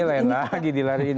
ini lain lagi dilarikin